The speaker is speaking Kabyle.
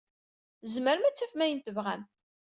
Tzemrem ad tafem ayen tebɣam.